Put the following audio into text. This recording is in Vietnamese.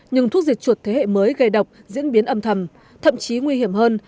nhưng thuốc diệt chuột thế hệ mới gây độc diễn biến âm thầm thậm chí nguy hiểm hơn